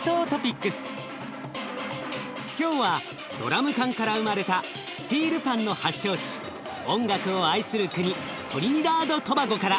今日はドラム缶から生まれたスチールパンの発祥地音楽を愛する国トリニダード・トバゴから。